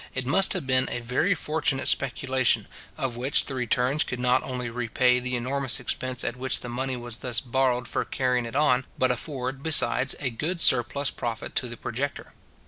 it must have been a very fortunate speculation, of which the returns could not only repay the enormous expense at which the money was thus borrowed for carrying it on, but afford, besides, a good surplus profit to the projector.